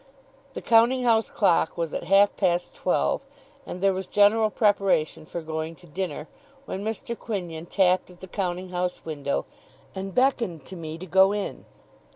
The counting house clock was at half past twelve, and there was general preparation for going to dinner, when Mr. Quinion tapped at the counting house window, and beckoned to me to go in.